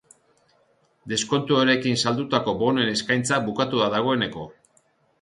Deskontuarekin saldutako bonoen eskaintza bukatu da dagoeneko.